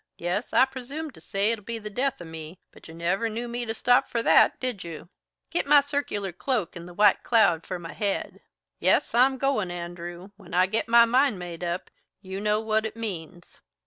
Yes, I presume to say it'll be the death of me, but you never knew me to stop for that, did you? Git my circular cloak and the white cloud for my head. Yes, I'm goin', Andrew. When I git my mind made up, you know what it means."